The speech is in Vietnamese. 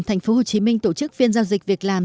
tp hcm tổ chức phiên giao dịch việc làm